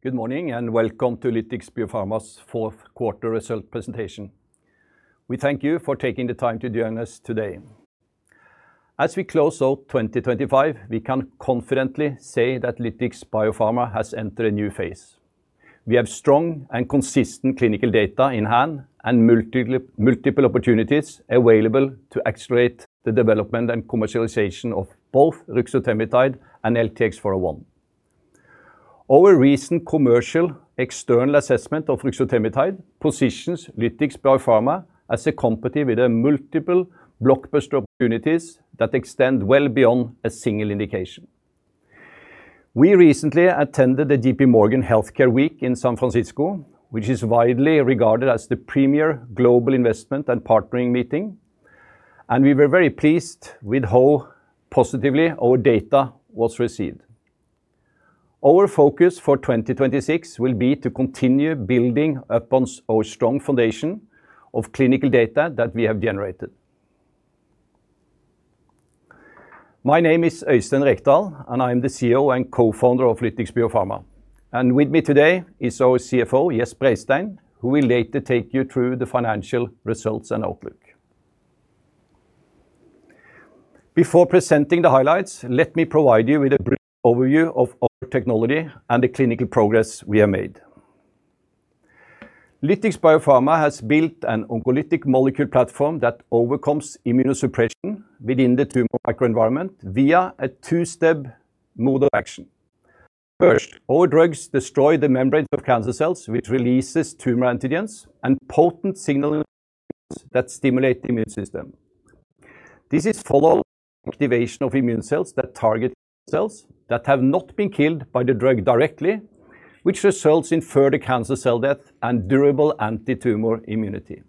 Good morning, and welcome to Lytix Biopharma's fourth quarter result presentation. We thank you for taking the time to join us today. As we close out 2025, we can confidently say that Lytix Biopharma has entered a new phase. We have strong and consistent clinical data in hand and multiple opportunities available to accelerate the development and commercialization of both Latigluten and LTX-401. Our recent commercial external assessment of Latigluten positions Lytix Biopharma as a company with multiple blockbuster opportunities that extend well beyond a single indication. We recently attended the JPMorgan Healthcare Week in San Francisco, which is widely regarded as the premier global investment and partnering meeting, and we were very pleased with how positively our data was received. Our focus for 2026 will be to continue building upon our strong foundation of clinical data that we have generated. My name is Øystein Rekdal, and I'm the CEO and co-founder of Lytix Biopharma. With me today is our CFO, Gjest Breistein, who will later take you through the financial results and outlook. Before presenting the highlights, let me provide you with a brief overview of our technology and the clinical progress we have made. Lytix Biopharma has built an oncolytic molecule platform that overcomes immunosuppression within the tumor microenvironment via a two-step mode of action. First, our drugs destroy the membranes of cancer cells, which releases tumor antigens and potent signaling that stimulate the immune system. This is followed by activation of immune cells that target cells that have not been killed by the drug directly, which results in further cancer cell death and durable anti-tumor immunity.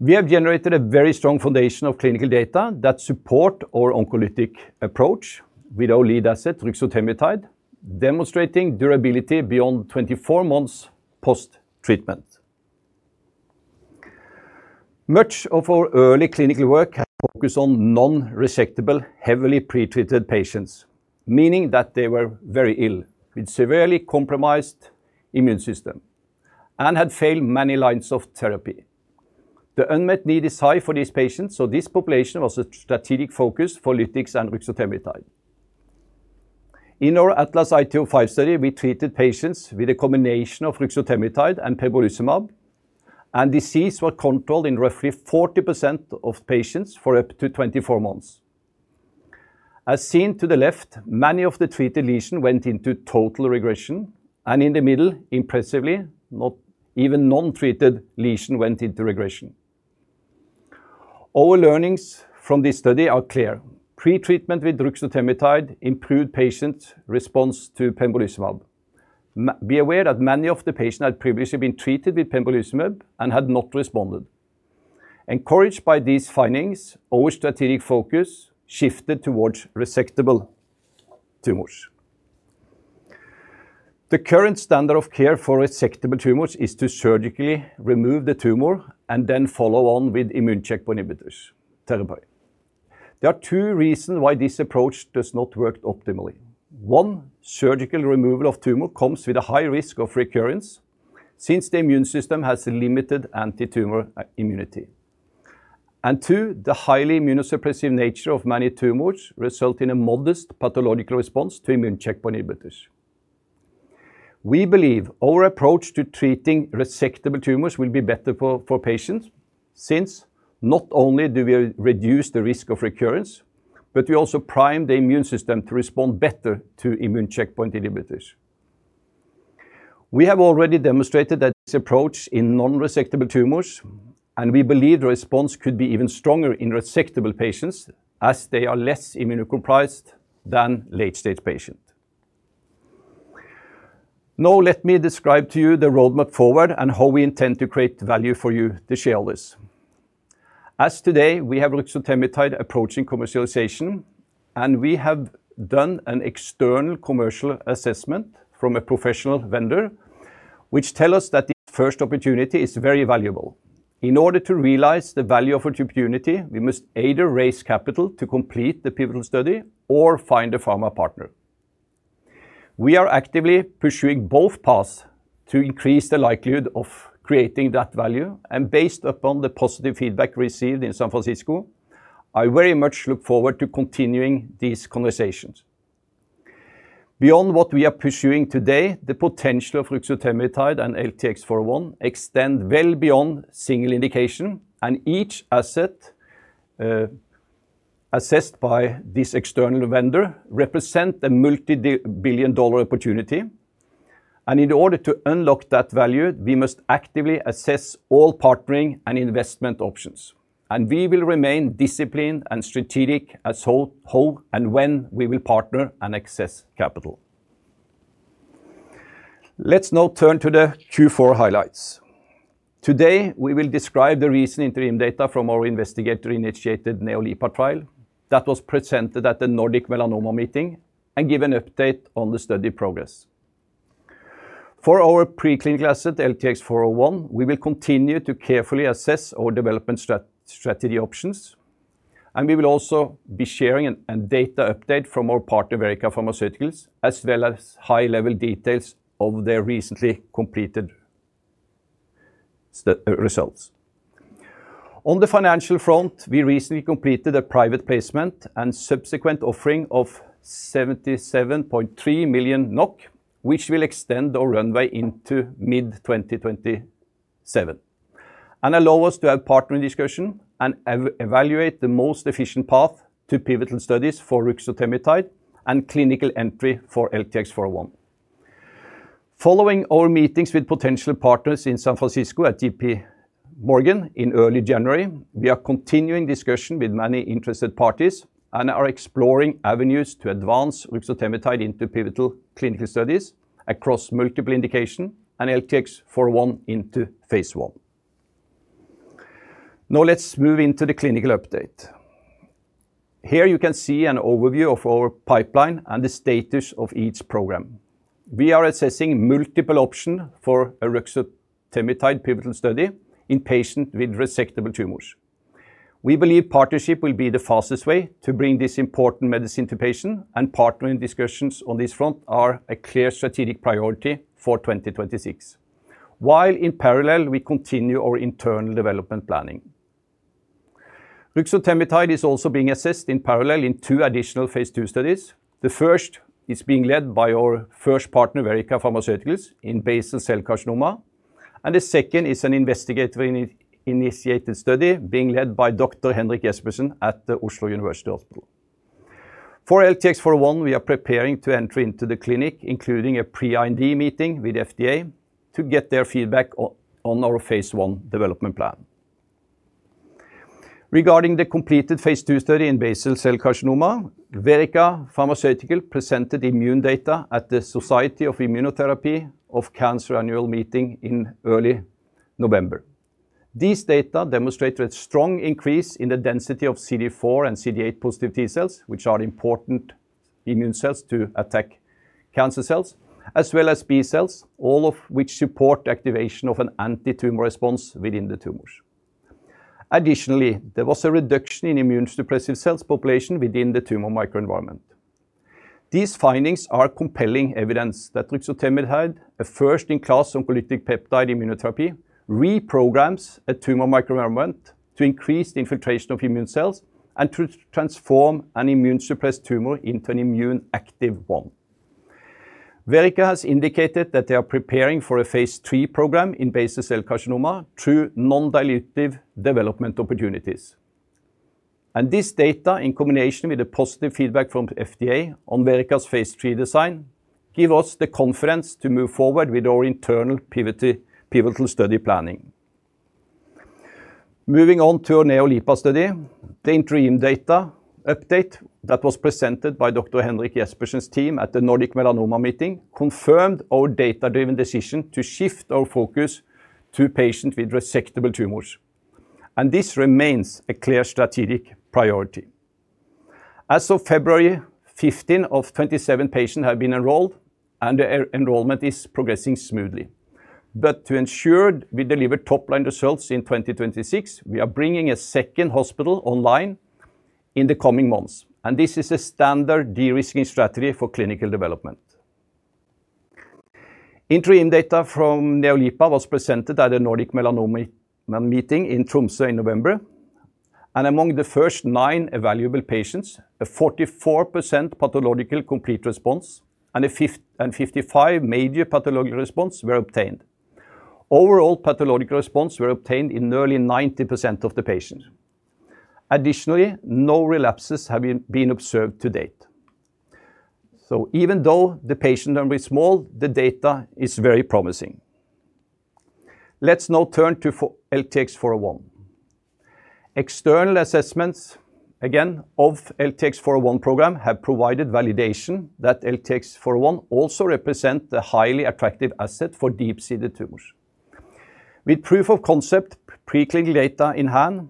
We have generated a very strong foundation of clinical data that support our oncolytic approach with our lead asset, Latigluten, demonstrating durability beyond 24 months post-treatment. Much of our early clinical work has focused on non-resectable, heavily pretreated patients, meaning that they were very ill, with severely compromised immune system and had failed many lines of therapy. The unmet need is high for these patients, so this population was a strategic focus for Lytix and Latigluten. In our ATLAS-IT-05 study, we treated patients with a combination of Latigluten and Pembrolizumab, and disease was controlled in roughly 40% of patients for up to 24 months. As seen to the left, many of the treated lesions went into total regression, and in the middle, impressively, not even non-treated lesion went into regression. Our learnings from this study are clear. Pretreatment with Latigluten improved patient response to Pembrolizumab. Be aware that many of the patients had previously been treated with Pembrolizumab and had not responded. Encouraged by these findings, our strategic focus shifted towards resectable tumors. The current standard of care for resectable tumors is to surgically remove the tumor and then follow on with immune checkpoint inhibitors therapy. There are two reasons why this approach does not work optimally. One, surgical removal of tumor comes with a high risk of recurrence since the immune system has a limited anti-tumor immunity. And two, the highly immunosuppressive nature of many tumors result in a modest pathological response to immune checkpoint inhibitors. We believe our approach to treating resectable tumors will be better for patients, since not only do we reduce the risk of recurrence, but we also prime the immune system to respond better to immune checkpoint inhibitors. We have already demonstrated that this approach in non-resectable tumors, and we believe the response could be even stronger in resectable patients as they are less immunocompromised than late-stage patient. Now, let me describe to you the roadmap forward and how we intend to create value for you, the shareholders. As today, we have Latigluten approaching commercialization, and we have done an external commercial assessment from a professional vendor, which tell us that the first opportunity is very valuable. In order to realize the value of opportunity, we must either raise capital to complete the pivotal study or find a pharma partner. We are actively pursuing both paths to increase the likelihood of creating that value, and based upon the positive feedback received in San Francisco, I very much look forward to continuing these conversations. Beyond what we are pursuing today, the potential of LTX-315 and LTX-401 extends well beyond single indication, and each asset assessed by this external vendor represents a multi-billion-dollar opportunity. In order to unlock that value, we must actively assess all partnering and investment options, and we will remain disciplined and strategic as a whole, and when we will partner and access capital. Let's now turn to the Q4 highlights. Today, we will describe the recent interim data from our investigator-initiated NeoLIPA trial that was presented at the Nordic Melanoma Meeting and give an update on the study progress. For our preclinical asset, LTX-401, we will continue to carefully assess our development strategy options, and we will also be sharing a data update from our partner, Verrica Pharmaceuticals, as well as high-level details of their recently completed study results. On the financial front, we recently completed a private placement and subsequent offering of 77.3 million NOK, which will extend our runway into mid-2027, and allow us to have partnering discussions and evaluate the most efficient path to pivotal studies for LTX-315 and clinical entry for LTX-401. Following our meetings with potential partners in San Francisco at JPMorgan in early January, we are continuing discussions with many interested parties and are exploring avenues to advance LTX-315 into pivotal clinical studies across multiple indications, and LTX-401 into phase I. Now, let's move into the clinical update. Here, you can see an overview of our pipeline and the status of each program. We are assessing multiple options for a LTX-315 pivotal study in patients with resectable tumors. We believe partnership will be the fastest way to bring this important medicine to patients, and partnering discussions on this front are a clear strategic priority for 2026. While in parallel, we continue our internal development planning. Latigluten is also being assessed in parallel in two additional phase II studies. The first is being led by our first partner, Verrica Pharmaceuticals, in basal cell carcinoma, and the second is an investigator-initiated study being led by Dr. Henrik Jespersen at the Oslo University Hospital. For LTX-401, we are preparing to enter into the clinic, including a pre-IND meeting with FDA, to get their feedback on our phase I development plan. Regarding the completed phase II study in basal cell carcinoma, Verrica Pharmaceuticals presented immune data at the Society for Immunotherapy of Cancer annual meeting in early November. These data demonstrated a strong increase in the density of CD4+ and CD8+ T cells, which are important immune cells to attack cancer cells, as well as B cells, all of which support the activation of an anti-tumor response within the tumors. Additionally, there was a reduction in immune suppressive cells population within the Tumor Microenvironment. These findings are compelling evidence that Latigluten, a first-in-class oncolytic peptide immunotherapy, reprograms a Tumor Microenvironment to increase the infiltration of immune cells and to transform an immune-suppressed tumor into an immune-active one. Verrica has indicated that they are preparing for a phase III program in basal cell carcinoma through non-dilutive development opportunities. This data, in combination with the positive feedback from FDA on Verrica's phase III design, give us the confidence to move forward with our internal pivotal study planning. Moving on to our NeoLIPA study, the interim data update that was presented by Dr. Henrik Jespersen's team at the Nordic Melanoma Meeting, confirmed our data-driven decision to shift our focus to patients with resectable tumors, and this remains a clear strategic priority. As of February, 15 of 27 patients have been enrolled, and the enrollment is progressing smoothly. But to ensure we deliver top-line results in 2026, we are bringing a second hospital online in the coming months, and this is a standard de-risking strategy for clinical development. Interim data from NeoLIPA was presented at the Nordic Melanoma Meeting in Tromsø in November, and among the first 9 evaluable patients, a 44% pathological complete response and a 55% major pathological response were obtained. Overall pathological response were obtained in nearly 90% of the patients. Additionally, no relapses have been observed to date. So even though the patient number is small, the data is very promising. Let's now turn to for LTX-401. External assessments, again, of LTX-401 program have provided validation that LTX-401 also represent the highly attractive asset for deep-seated tumors. With proof of concept preclinical data in hand,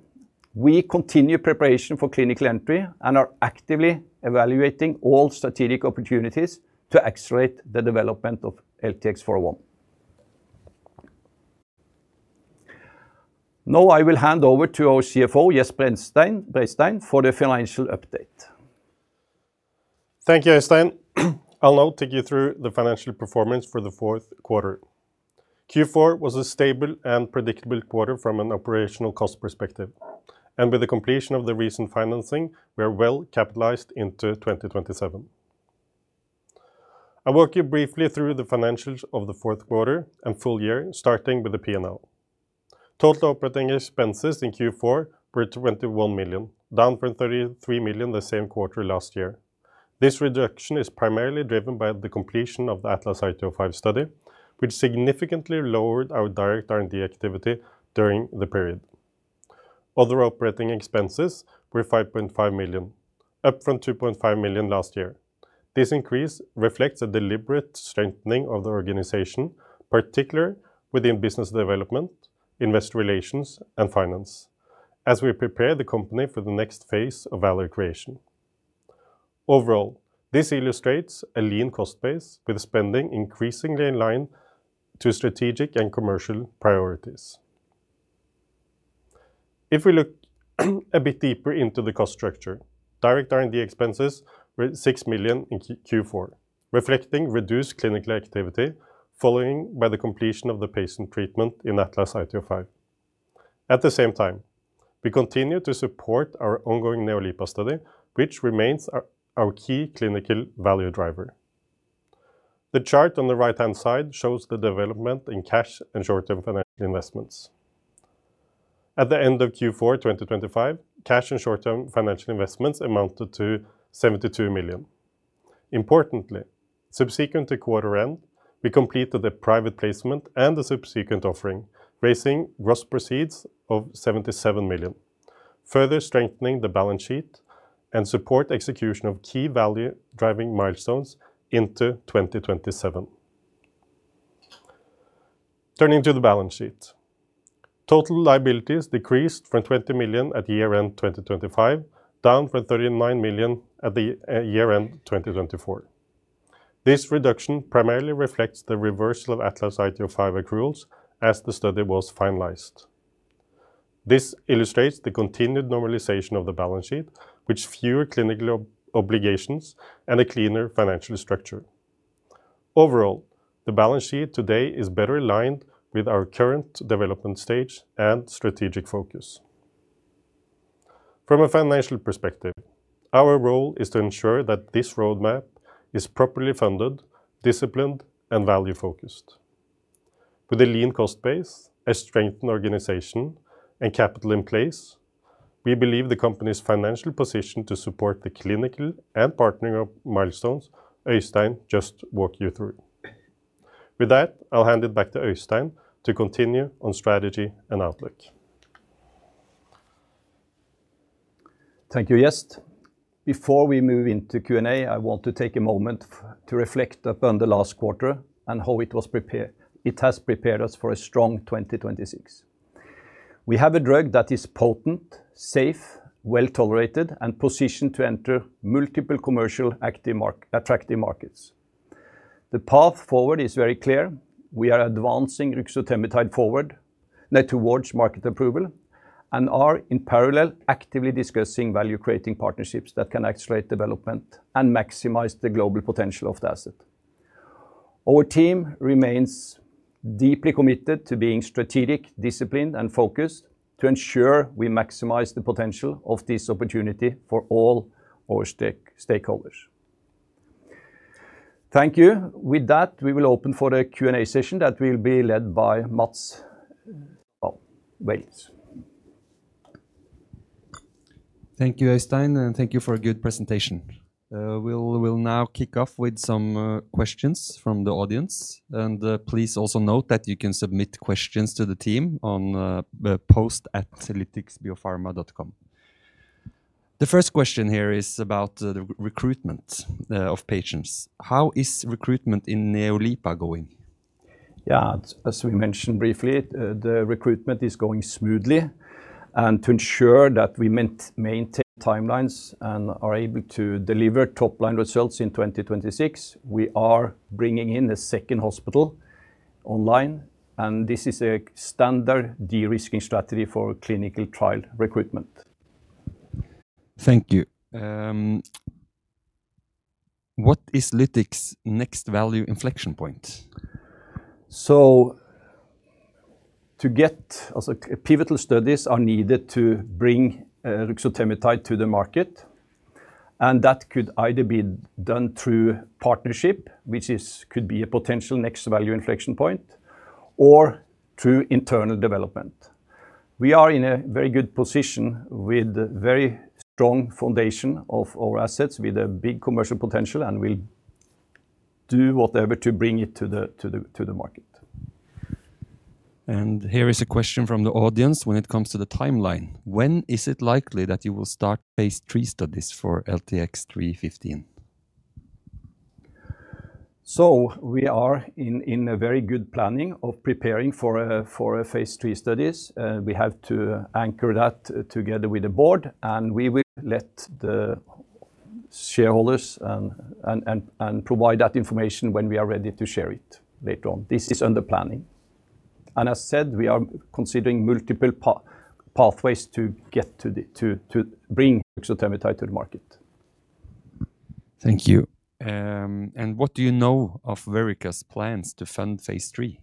we continue preparation for clinical entry and are actively evaluating all strategic opportunities to accelerate the development of LTX-401. Now, I will hand over to our CFO, Gjest Breistein, for the financial update. Thank you, Øystein. I'll now take you through the financial performance for the fourth quarter. Q4 was a stable and predictable quarter from an operational cost perspective. With the completion of the recent financing, we are well-capitalized into 2027. I'll walk you briefly through the financials of the fourth quarter and full year, starting with the P&L. Total operating expenses in Q4 were 21 million, down from 33 million the same quarter last year. This reduction is primarily driven by the completion of the ATLAS-IT-05 study, which significantly lowered our direct R&D activity during the period. Other operating expenses were 5.5 million, up from 2.5 million last year. This increase reflects a deliberate strengthening of the organization, particularly within business development, investor relations, and finance, as we prepare the company for the next phase of value creation.... Overall, this illustrates a lean cost base, with spending increasingly in line to strategic and commercial priorities. If we look a bit deeper into the cost structure, direct R&D expenses were 6 million in Q4, reflecting reduced clinical activity, following by the completion of the patient treatment in ATLAS-IT-05. At the same time, we continue to support our ongoing NeoLIPA study, which remains our key clinical value driver. The chart on the right-hand side shows the development in cash and short-term financial investments. At the end of Q4 2025, cash and short-term financial investments amounted to 72 million. Importantly, subsequent to quarter end, we completed a private placement and a subsequent offering, raising gross proceeds of 77 million, further strengthening the balance sheet and support execution of key value-driving milestones into 2027. Turning to the balance sheet. Total liabilities decreased from 20 million at year-end 2025, down from 39 million at the year-end 2024. This reduction primarily reflects the reversal of ATLAS-IT-05 accruals as the study was finalized. This illustrates the continued normalization of the balance sheet, with fewer clinical obligations and a cleaner financial structure. Overall, the balance sheet today is better aligned with our current development stage and strategic focus. From a financial perspective, our role is to ensure that this roadmap is properly funded, disciplined, and value focused. With a lean cost base, a strengthened organization, and capital in place, we believe the company's financial position to support the clinical and partnering of milestones Øystein just walked you through. With that, I'll hand it back to Øystein to continue on strategy and outlook. Thank you, Gjest. Before we move into Q&A, I want to take a moment to reflect upon the last quarter and how it has prepared us for a strong 2026. We have a drug that is potent, safe, well-tolerated, and positioned to enter multiple attractive markets. The path forward is very clear. We are advancing Latigluten forward, now towards market approval, and are, in parallel, actively discussing value-creating partnerships that can accelerate development and maximize the global potential of the asset. Our team remains deeply committed to being strategic, disciplined, and focused to ensure we maximize the potential of this opportunity for all our stakeholders. Thank you. With that, we will open for a Q&A session that will be led by Mats Wahl. Thank you, Øystein, and thank you for a good presentation. We'll now kick off with some questions from the audience, and please also note that you can submit questions to the team on post@lytixbiopharma.com. The first question here is about the recruitment of patients. How is recruitment in NeoLIPA going? Yeah, as we mentioned briefly, the recruitment is going smoothly, and to ensure that we maintain timelines and are able to deliver top-line results in 2026, we are bringing in a second hospital online, and this is a standard de-risking strategy for clinical trial recruitment. Thank you. What is Lytix's next value inflection point? Also, pivotal studies are needed to bring latigluten to the market, and that could either be done through partnership, which is, could be a potential next value inflection point, or through internal development. We are in a very good position with very strong foundation of our assets, with a big commercial potential, and we do whatever to bring it to the market. Here is a question from the audience when it comes to the timeline: When is it likely that you will start phase III studies for LTX-315? So we are in a very good planning of preparing for a phase III studies. We have to anchor that together with the board, and we will let the shareholders and provide that information when we are ready to share it later on. This is under planning. And as said, we are considering multiple pathways to get to the to bring Latigluten to the market. Thank you. What do you know of Verrica's plans to fund phase III?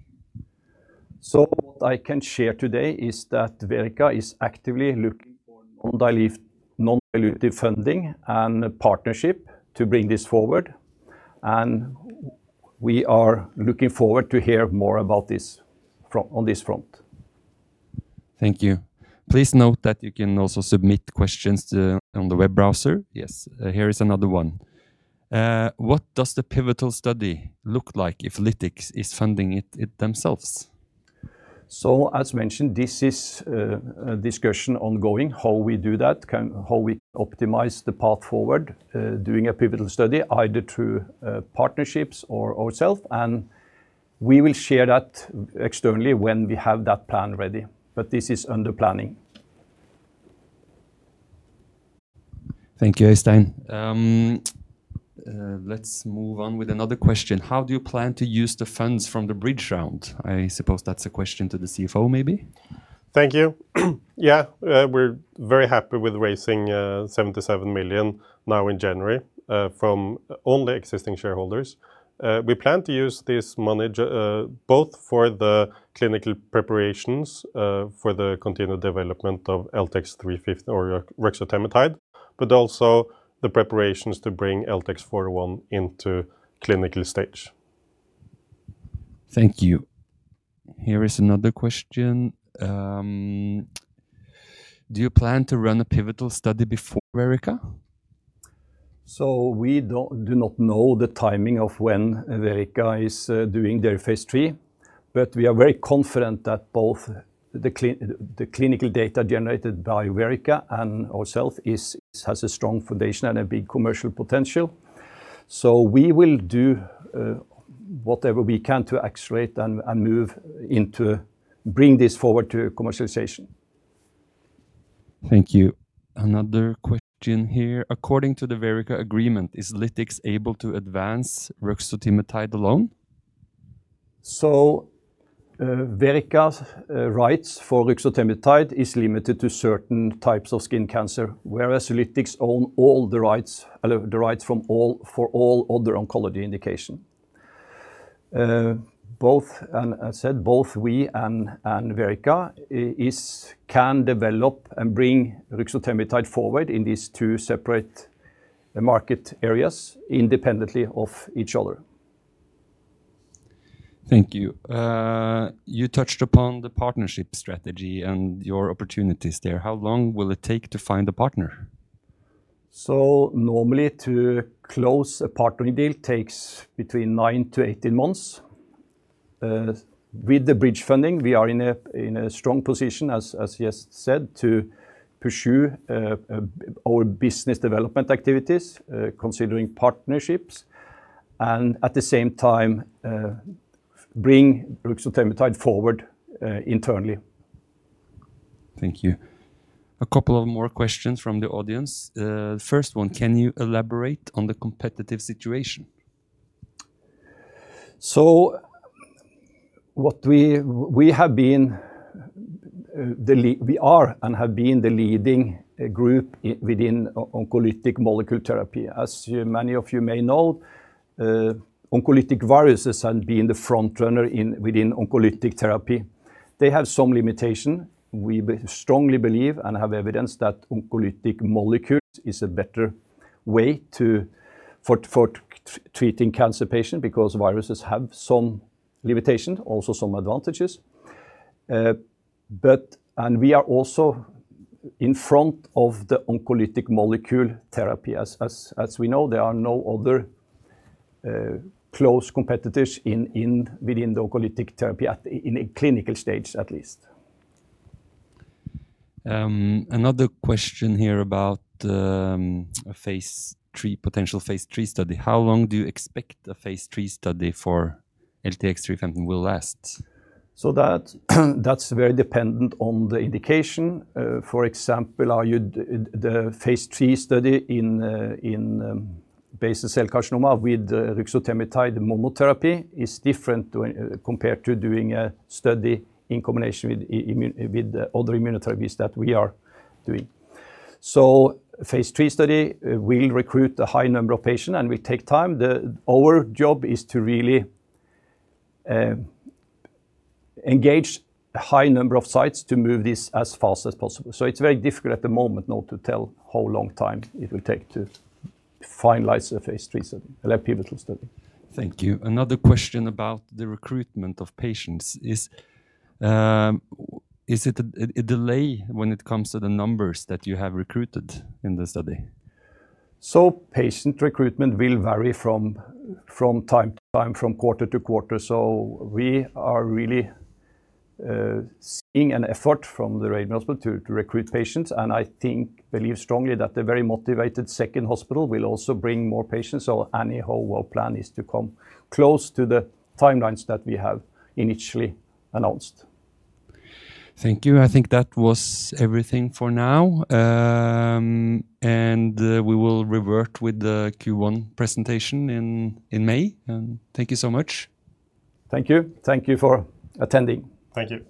So what I can share today is that Verrica is actively looking for non-dilutive, non-dilutive funding and partnership to bring this forward, and we are looking forward to hear more about this front, on this front. Thank you. Please note that you can also submit questions on the web browser. Yes, here is another one. What does the pivotal study look like if Lytix is funding it themselves? So, as mentioned, this is a discussion ongoing how we do that, how we optimize the path forward doing a pivotal study, either through partnerships or ourselves, and we will share that externally when we have that plan ready, but this is under planning.... Thank you, Øystein. Let's move on with another question. How do you plan to use the funds from the bridge round? I suppose that's a question to the CFO, maybe. Thank you. Yeah, we're very happy with raising 77 million now in January from only existing shareholders. We plan to use this money both for the clinical preparations for the continued development of LTX-315 or Latigluten, but also the preparations to bring LTX-401 into clinical stage. Thank you. Here is another question. Do you plan to run a pivotal study before Verrica? We don't know the timing of when Verrica is doing their phase III, but we are very confident that both the clinical data generated by Verrica and ourselves has a strong foundation and a big commercial potential. We will do whatever we can to accelerate and move into bring this forward to commercialization. Thank you. Another question here: according to the Verrica agreement, is Lytix able to advance ruxotemitide alone? So, Verrica's rights for LTX-315 is limited to certain types of skin cancer, whereas Lytix own all the rights, the rights from all, for all other oncology indication. Both, and as said, both we and, and Verrica can develop and bring LTX-315 forward in these two separate market areas, independently of each other. Thank you. You touched upon the partnership strategy and your opportunities there. How long will it take to find a partner? Normally, to close a partnering deal takes between 9-18 months. With the bridge funding, we are in a strong position, as Gjest said, to pursue our business development activities, considering partnerships, and at the same time, bring ruxotemitide forward internally. Thank you. A couple of more questions from the audience. First one, can you elaborate on the competitive situation? have been the leading group within oncolytic molecule therapy. We are and have been the leading group within oncolytic molecule therapy. As many of you may know, oncolytic viruses have been the front runner within oncolytic therapy. They have some limitation. We strongly believe and have evidence that oncolytic molecules is a better way for treating cancer patients, because viruses have some limitation, also some advantages. And we are also in front of the oncolytic molecule therapy. As we know, there are no other close competitors within the oncolytic therapy in a clinical stage, at least. Another question here about a phase III, potential phase III study. How long do you expect the phase III study for LTX-315 will last? So that, that's very dependent on the indication. For example, the phase III study in basal cell carcinoma with Latigluten monotherapy is different to when, compared to doing a study in combination with the other immunotherapies that we are doing. So phase III study, we'll recruit a high number of patients, and will take time. Our job is to really engage a high number of sites to move this as fast as possible. So it's very difficult at the moment, now, to tell how long time it will take to finalize a phase III study, a pivotal study. Thank you. Another question about the recruitment of patients. Is it a delay when it comes to the numbers that you have recruited in the study? Patient recruitment will vary from time to time, from quarter to quarter. We are really seeing an effort from the Radboud hospital to recruit patients, and I think, believe strongly that the very motivated second hospital will also bring more patients. Anyhow, our plan is to come close to the timelines that we have initially announced. Thank you. I think that was everything for now. We will revert with the Q1 presentation in May, and thank you so much. Thank you. Thank you for attending. Thank you.